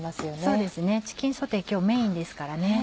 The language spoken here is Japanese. そうですねチキンソテー今日メインですからね。